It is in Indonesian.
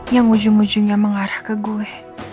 yang ujung ujungnya mengarah ke gue